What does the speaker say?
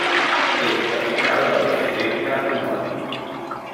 És capital del districte homònim.